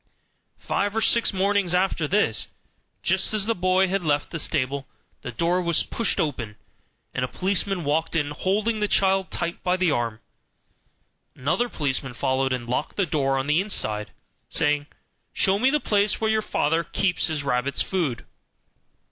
Five or six mornings after this, just as the boy had left the stable, the door was pushed open, and a policeman walked in, holding the child tight by the arm; another policeman followed, and locked the door on the inside, saying, "Show me the place where your father keeps his rabbits' food."